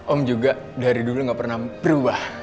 om juga dari dulu gak pernah berubah